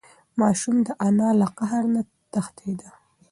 ماشوم د انا له قهر نه تښتېده.